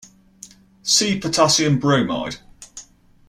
See potassium bromide.